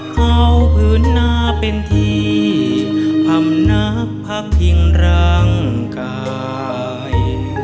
เขาผืนนาเป็นที่พำนักพักพิงร่างกาย